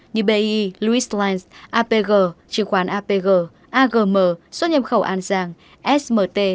như bii lewislines apg trường khoán apg agm xuất nhập khẩu an giang smt